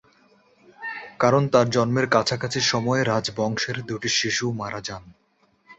কারণ তার জন্মের কাছাকাছি সময়ে রাজবংশের দুটি শিশু মারা যান।